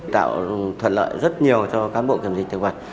tạo thuận lợi rất nhiều cho cán bộ kiểm dịch thực vật